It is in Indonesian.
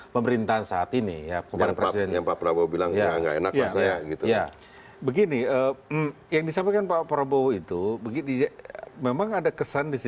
terima kasih pak